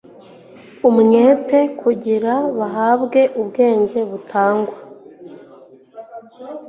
umwete kugira bahabwe ubwenge butangwa